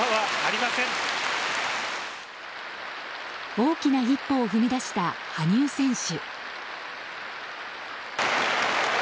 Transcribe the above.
大きな一歩を踏み出した羽生選手。